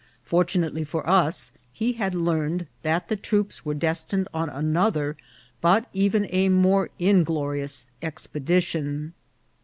Fortunately for us, he had learned that the troops were destined on another, but even a more in glorious expedition.